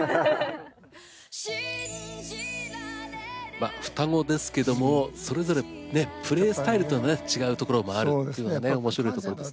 まあ双子ですけどもそれぞれねプレースタイルっていうのはね違うところもあるっていうのがね面白いところですね。